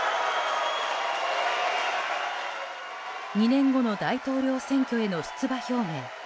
２年後の大統領選挙への出馬表明。